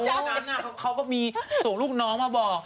เพราะฉะนั้นเขาก็มีส่วนลูกน้องมาบอก